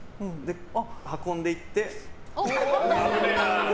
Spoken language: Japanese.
運んでいって。